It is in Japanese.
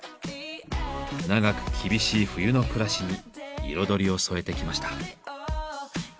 長く厳しい冬の暮らしに彩りを添えてきました。